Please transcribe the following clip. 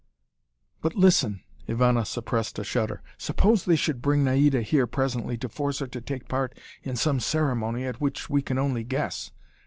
"But listen " Ivana suppressed a shudder. "Suppose they should bring Naida here presently to force her to take part in some ceremony at which we can only guess.